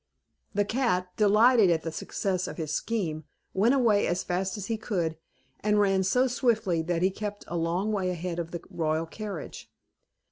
The cat, delighted at the success of his scheme, went away as fast as he could, and ran so swiftly that he kept a long way ahead of the royal carriage.